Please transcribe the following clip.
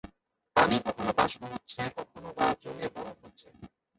পানি কখনো বাষ্প হচ্ছে, কখনো বা জমে বরফ হচ্ছে।